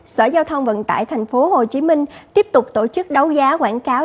sở giao thông vận tải tp hcm tiếp tục tổ chức đấu giá quảng cáo